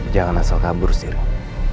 jangan asal kabur kok